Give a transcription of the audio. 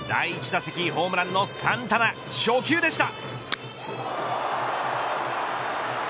第１打席ホームランのサンタナ初球でした。